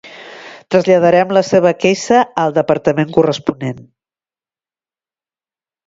Traslladarem la seva queixa al departament corresponent.